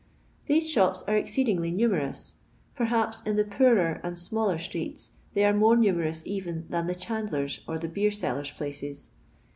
These shops are exceedingly numerous. Pf haps in the poorer and smaller streets they ars more numerous even than the chandlers* or the beer iellers' places.